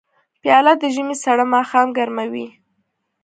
پیاله د ژمي سړه ماښام ګرموي.